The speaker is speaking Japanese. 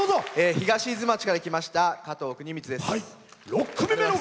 東伊豆町から来ましたかとうです。